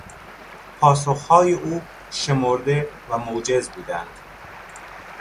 پاسخهای او شمرده و موجز بودند.